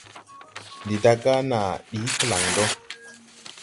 Ndi daaga naa ɗii klaŋdɔ.